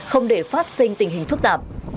không để phát sinh tình hình phức tạp